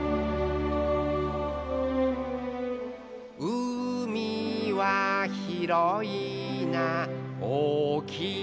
「うみはひろいなおおきいな」